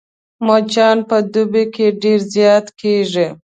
مچان په دوبي کې ډېر زيات کېږي